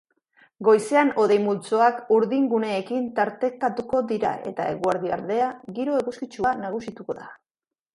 Goizean hodei multzoak urdinguneekin tartekatuko dira eta eguerdi aldean giro eguzkitsua nagusituko da.